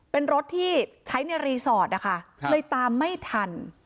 เป็นรถที่ใช้ในความจำนะคะค่ะเลยตามไม่ทัน